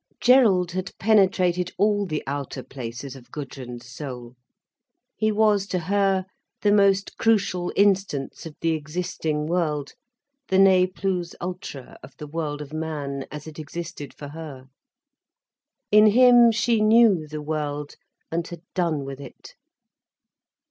Gerald had penetrated all the outer places of Gudrun's soul. He was to her the most crucial instance of the existing world, the ne plus ultra of the world of man as it existed for her. In him she knew the world, and had done with it.